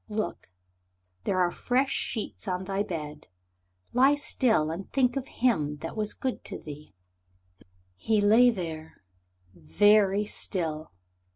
Look! there are fresh sheets on thy bed. Lie still and think of him that was good to thee." He lay there, very still.